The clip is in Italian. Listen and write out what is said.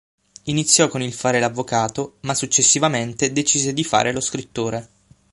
Iniziò con il fare l'avvocato, ma successivamente decise di fare lo scrittore.